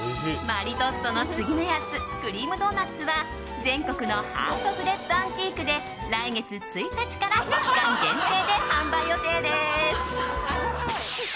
マリトッツォの次のやつ‐クリームドーナッツ‐は全国のハートブレッドアンティークで来月１日から期間限定で販売予定です。